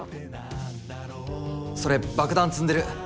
それ爆弾積んでる。